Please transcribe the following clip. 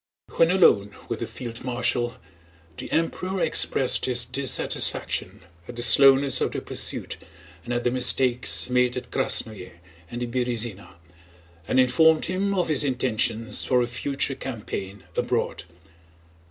When alone with the field marshal the Emperor expressed his dissatisfaction at the slowness of the pursuit and at the mistakes made at Krásnoe and the Berëzina, and informed him of his intentions for a future campaign abroad.